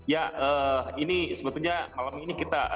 ya ini sebetulnya malam ini kita